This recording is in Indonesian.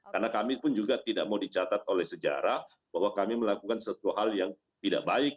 karena kami pun juga tidak mau dicatat oleh sejarah bahwa kami melakukan sesuatu hal yang tidak baik